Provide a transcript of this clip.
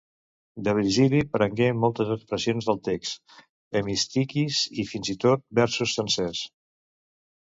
De Virgili prengué moltes expressions del text, hemistiquis i, fins i tot, versos sencers.